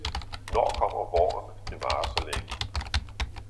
Når kommer våren det varer så længe